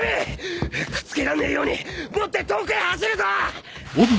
くっつけらんねえように持って遠くへ走るぞ！